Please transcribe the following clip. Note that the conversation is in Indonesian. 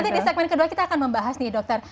nanti di segmen kedua kita akan membahas nih dokter